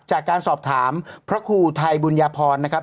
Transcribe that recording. จากการสอบถามพระครูไทยบุญญพรนะครับ